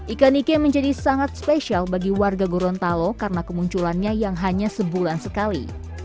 ikan ike menjadi sangat spesial bagi warga gorontalo karena kemunculannya yang hanya sebulan sekali